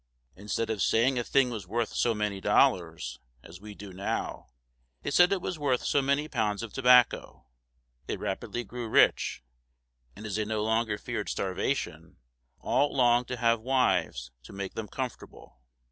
Instead of saying a thing was worth so many dollars, as we do now, they said it was worth so many pounds of tobacco. They rapidly grew rich, and as they no longer feared starvation, all longed to have wives to make them comfortable.